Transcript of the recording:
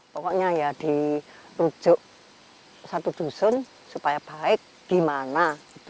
pokoknya ya dirujuk satu dusun supaya baik gimana